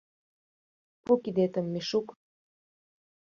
— Пу кидетым, Мишук.